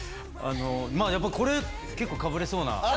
これ結構かぶれそうな。